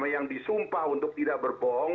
yang disumpah untuk tidak berbohong